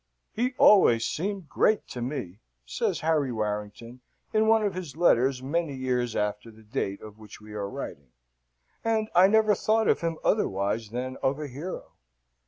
"He always seemed great to me," says Harry Warrington, in one of his letters many years after the date of which we are writing; "and I never thought of him otherwise than of a hero.